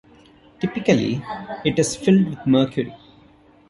Typically it is filled with mercury.